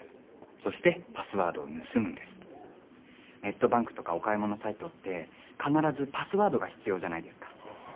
そしてパスワードを盗むんですネットバンクとかお買い物サイトって必ずパスワードが必要じゃないですか？